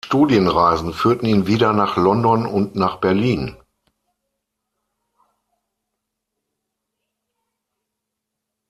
Studienreisen führten ihn wieder nach London und nach Berlin.